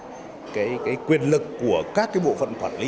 thì nó sẽ đảm bảo cho các cái quyền lực của các cái bộ phận quản lý